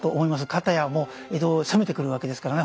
片や江戸を攻めてくるわけですからね